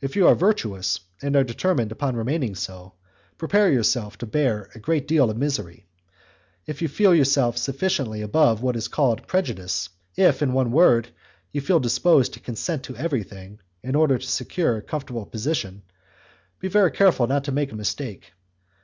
If you are virtuous, and are determined upon remaining so, prepare yourself to bear a great deal of misery; if you feel yourself sufficiently above what is called prejudice, if, in one word, you feel disposed to consent to everything, in order to secure a comfortable position, be very careful not to make a mistake.